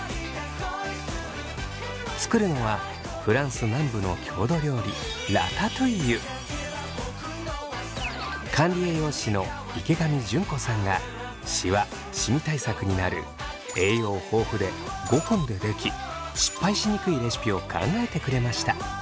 作るのはフランス南部の郷土料理管理栄養士の池上淳子さんがシワシミ対策になる栄養豊富で５分ででき失敗しにくいレシピを考えてくれました。